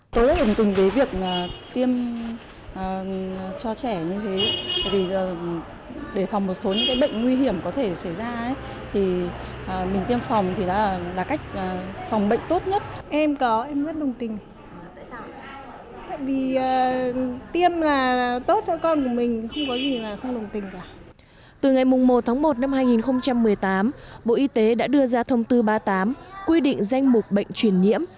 từ ngày một tháng một năm hai nghìn một mươi tám bộ y tế đã đưa ra thông tư ba mươi tám quy định danh mục bệnh truyền nhiễm